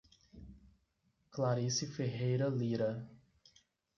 Clarice Ferreira Lyra